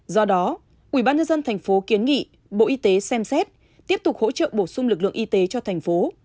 do đó ủy ban nhân dân tp hcm kiến nghị bộ y tế xem xét tiếp tục hỗ trợ bổ sung lực lượng y tế cho thành phố